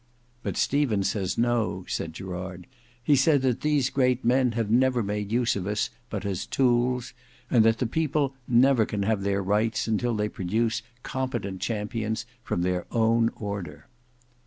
"But Stephen says no," said Gerard: "he says that these great men have never made use of us but as tools; and that the people never can have their rights until they produce competent champions from their own order."